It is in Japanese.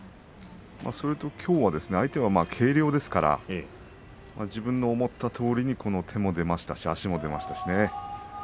それときょうは相手が軽量ですから自分の思ったとおりに手も出ましたし足も出ましたね。